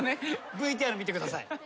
ＶＴＲ見てください。